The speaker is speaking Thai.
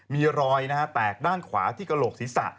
มีรอยแตกด้านขวาที่กระโหลกศีรษะ